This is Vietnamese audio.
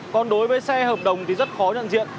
còn đối với xe hợp đồng thì rất khó nhận diện